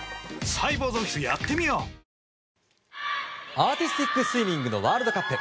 アーティスティックスイミングのワールドカップ。